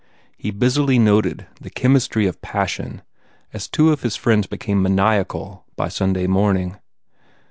He busily noted the chemistry of passion as two of his friends became maniacal by Sunday morning.